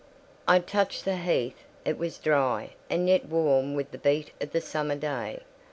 I touched the heath: it was dry, and yet warm with the heat of the summer day.